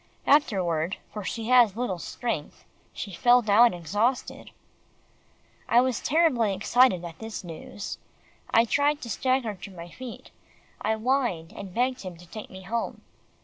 Afterward, for she has little strength, she fell down exhausted." I was terribly excited at this news. I tried to stagger to my feet. I whined, and begged him to take me home.